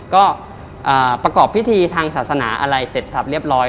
ก็ประกอบพิธีทางศาสนาอะไรเสร็จครับเรียบร้อย